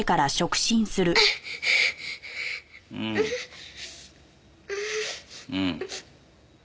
うんうん。